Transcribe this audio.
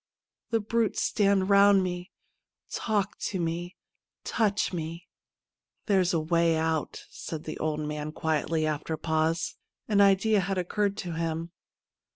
The brutes stand round me, talk to me, touch me !' 'There's a way out/ said the old man quietly, after a pause. An idea had occurred to him.